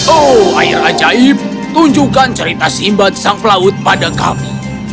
oh air ajaib tunjukkan cerita simbad sang pelaut pada kami